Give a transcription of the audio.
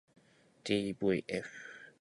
ｄｖｆ